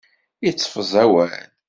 Iteffeẓ awal.